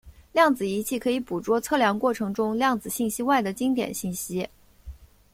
量子仪器可以捕捉测量过程中量子信息外的经典信息。